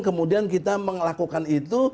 kemudian kita melakukan itu